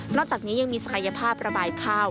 จากนี้ยังมีศักยภาพระบายข้าว